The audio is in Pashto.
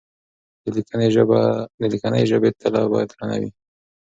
د ليکنۍ ژبې تله بايد درنه وي.